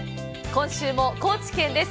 今週も高知県です。